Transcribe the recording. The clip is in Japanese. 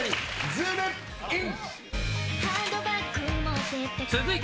ズームイン！！